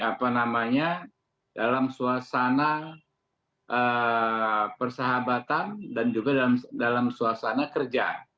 apa namanya dalam suasana persahabatan dan juga dalam suasana kerja